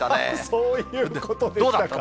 そういうことでしたか。